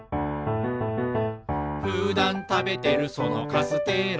「ふだんたべてるそのカステラ」